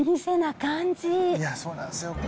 いや、そうなんですよ。